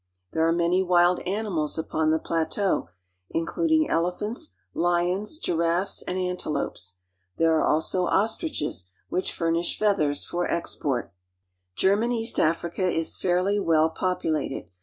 There are many wild animals upon the plateau, I • including elephants, hons, giraffes, and antelopes. There I su e also ostriches, which furnish feathers for export, I German East Africa is fairly well populated.